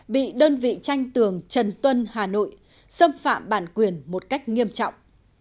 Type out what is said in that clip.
bị đơn vị tranh tường trần tuân hà nội xâm phạm bản quyền một cách nghiêm trọng